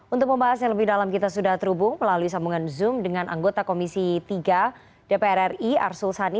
untuk membahas yang lebih dalam kita sudah terhubung melalui sambungan zoom dengan anggota komisi tiga dpr ri arsul sani